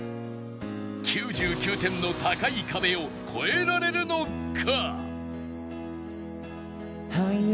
９９点の高い壁を越えられるのか？